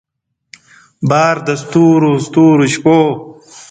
بار د ستورو ستورو شپو